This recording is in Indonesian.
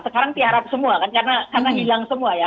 sekarang tiarap semua kan karena hilang semua ya